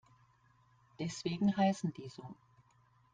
Deswegen heißen die so.